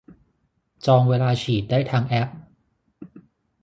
จองเวลาฉีดได้ทางแอป